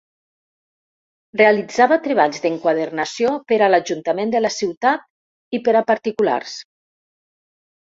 Realitzava treballs d'enquadernació per a l'Ajuntament de la ciutat, i per a particulars.